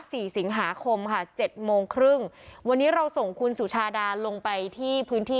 สี่สิงหาคมค่ะเจ็ดโมงครึ่งวันนี้เราส่งคุณสุชาดาลงไปที่พื้นที่